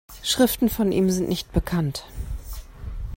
Schriften von ihm sind nicht bekannt.